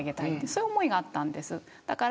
そういう思いがあったんです。